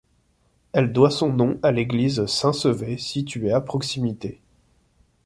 Elle doit son nom à l'église Saint-Sever située à proximité.